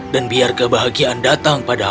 dan biar kebahagiaan datang padamu